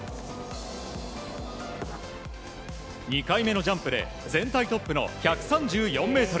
２回目のジャンプで全体トップの１３４ｍ。